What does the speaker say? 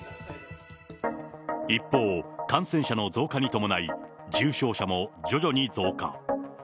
一方、感染者の増加に伴い、重症者も徐々に増加。